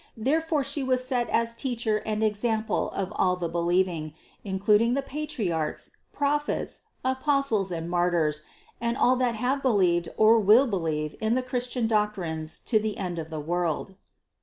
There fore She was set as Teacher and example of all the be lieving, including the Patriarchs, Prophets, Apostles and Martyrs and all that have believed or will believe in the Christian doctrines to the end of the world.